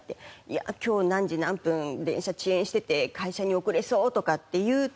「今日何時何分電車遅延してて会社に遅れそう」とかっていうと。